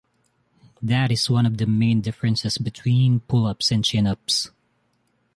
That is one of the main differences between pull-ups and chin-ups.